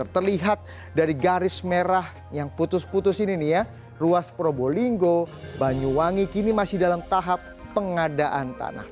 terlihat dari garis merah yang putus putus ini nih ya ruas probolinggo banyuwangi kini masih dalam tahap pengadaan tanah